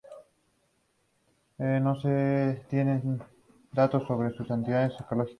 No supo la verdad hasta que esta última falleció, siendo ya un adulto.